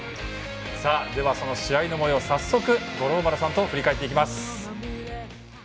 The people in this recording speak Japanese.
その試合のもようを早速五郎丸さんと一緒に振り返っていきます。